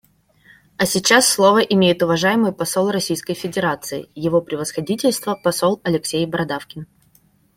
А сейчас слово имеет уважаемый посол Российской Федерации — Его Превосходительство посол Алексей Бородавкин.